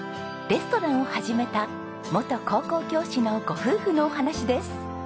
レストランを始めた元高校教師のご夫婦のお話です。